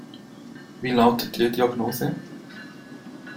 Wie lautet die Diagnose?